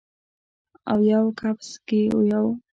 اویو کپس کې یو